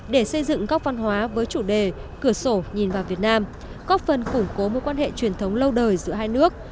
để xây dựng góc văn hóa với chủ đề cửa sổ nhìn vào việt nam góc phân củng cố mối quan hệ truyền thống lâu đời giữa hai nước